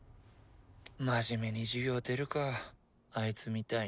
真面目に授業出るかあいつみたいに。